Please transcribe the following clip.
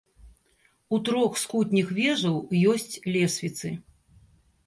У трох з кутніх вежаў ёсць лесвіцы.